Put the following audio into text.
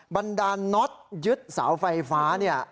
บรรดานน็อตยึดเสาไฟฟ้าเนี่ย